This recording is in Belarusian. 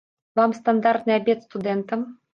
Вам стандартны абед студэнта?